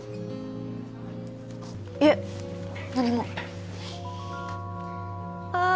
いえ何もああ